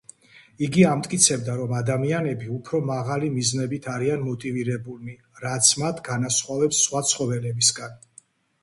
იგი ამტკიცებდა, რომ ადამიანები უფრო მაღალი მიზნებით არიან მოტივირებულნი, რაც მათ განასხვავებს სხვა ცხოველებისგან.